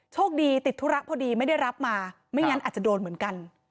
โชคดีติดธุระพอดีไม่ได้รับมาไม่งั้นอาจจะโดนเหมือนกัน